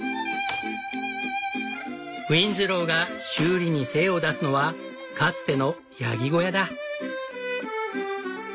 ウィンズローが修理に精を出すのはかつてのヤギ小屋だ。